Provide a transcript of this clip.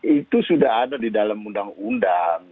itu sudah ada di dalam undang undang